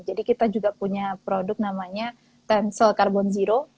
jadi kita juga punya produk namanya tensil carbon zero